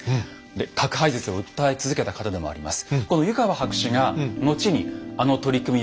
で核廃絶を訴え続けた方でもあります。